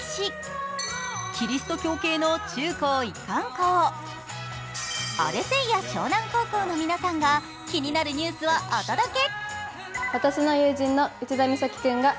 キリスト教系の中高一貫校、アレセイア湘南高校の皆さんが気になるニュースをお届け。